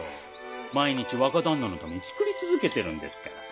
毎日若旦那のために作り続けてるんですから。